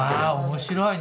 面白い！